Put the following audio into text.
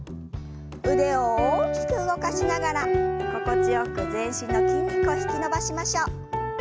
腕を大きく動かしながら心地よく全身の筋肉を引き伸ばしましょう。